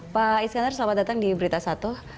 pak iskandar selamat datang di berita satu